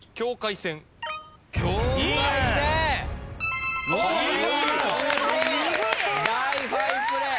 大ファインプレー。